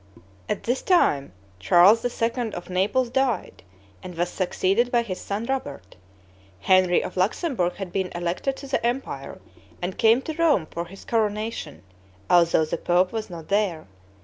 At this time, Charles II. of Naples died, and was succeeded by his son Robert. Henry of Luxemburg had been elected to the empire, and came to Rome for his coronation, although the pope was not there.